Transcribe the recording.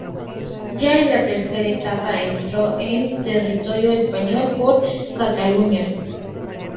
Ya en la tercera etapa, entró en territorio español por Cataluña.